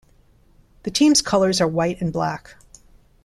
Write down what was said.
The team's colors are white and black.